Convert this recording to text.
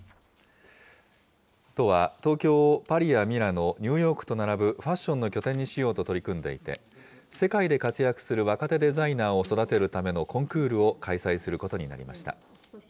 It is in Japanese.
都は、東京をパリやミラノ、ニューヨークと並ぶファッションの拠点にしようと取り組んでいて、世界で活躍する若手デザイナーを育てるためのコンクールを開催することになりました。